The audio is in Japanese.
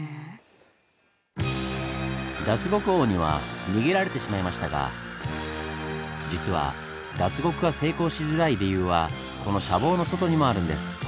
脱獄王には逃げられてしまいましたが実は脱獄が成功しづらい理由はこの舎房の外にもあるんです。